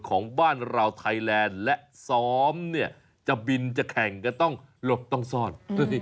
ของบ้านเราไทยแลนด์และซ้อมเนี่ยจะบินจะแข่งก็ต้องหลบต้องซ่อน